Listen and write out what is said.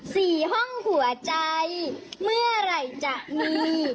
ห้องหัวใจเมื่อไหร่จะมี